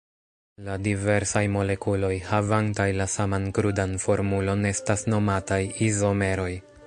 La diversaj molekuloj havantaj la saman krudan formulon estas nomataj izomeroj.